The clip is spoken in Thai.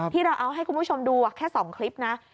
ที่เราเอาให้คุณผู้ชมดูแค่๒คลิปนะ